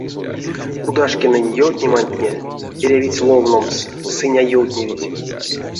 Кудашкинэнь ёвтнематне эрявить ловномс, сынь а ёвтневить.